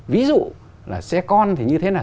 ví dụ là xe con thì như thế nào